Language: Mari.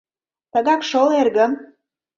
— Тыгак шол, эргым.